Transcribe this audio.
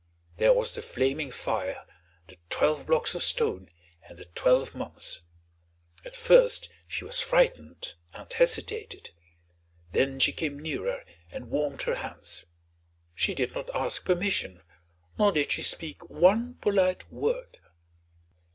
There was the flaming fire, the twelve blocks of stone, and the twelve months. At first she was frightened and hesitated; then she came nearer and warmed her hands. She did not ask permission, nor did she speak one polite word.